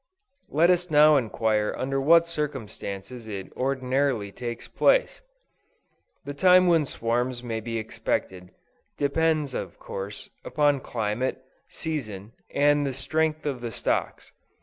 Let us now inquire under what circumstances it ordinarily takes place. The time when swarms may be expected, depends of course, upon climate, season, and the strength of the stocks.